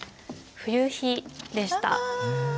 「冬陽」でした。